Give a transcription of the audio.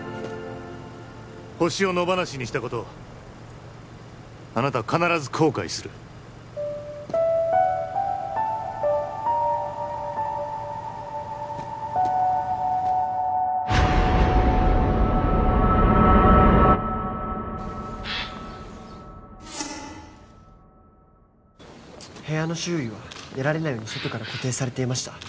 ホシを野放しにしたことあなた必ず後悔する部屋の周囲は出られないように外から固定されていました